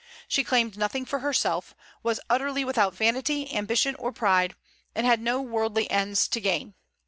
She claimed nothing for herself, was utterly without vanity, ambition, or pride, and had no worldly ends to gain.